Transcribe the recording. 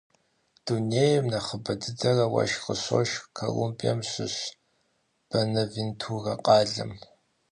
Дунейм нэхъыбэ дыдэрэ уэшх къыщошх Колумбием щыщ Бэнавентурэ къалэм.